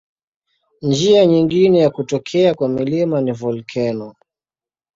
Njia nyingine ya kutokea kwa milima ni volkeno.